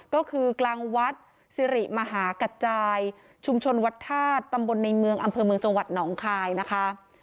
ก็คือกลางวัดสิริมหากัจจายชุมชนวัดธาตุตำบลในเมืองอำเภอเมืองจังหวัดหนองคายนะคะ